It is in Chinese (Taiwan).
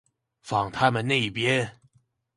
放他們那邊